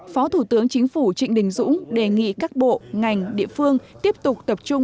phó thủ tướng chính phủ trịnh đình dũng đề nghị các bộ ngành địa phương tiếp tục tập trung